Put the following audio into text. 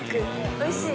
おいしい？